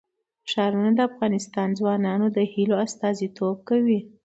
ښارونه د افغان ځوانانو د هیلو استازیتوب کوي.